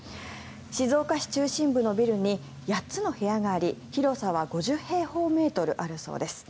静岡市中心部のビルに８つの部屋があり広さは５０平方メートルあるそうです。